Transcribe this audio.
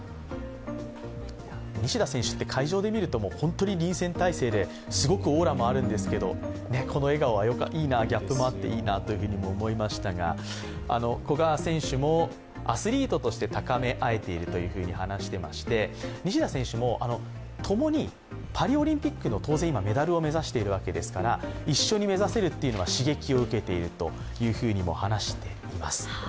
西田選手って会場で見ると本当に臨戦態勢で、すごくオーラもあるんですけどこの笑顔はギャップもあっていいなと思いましたが、古賀選手もアスリートとして高めあえていると話していまして西田選手も、ともにパリオリンピックの当然、メダルを目指しているわけですから一緒に目指せるっていうのは刺激を受けているというふうにも話しています。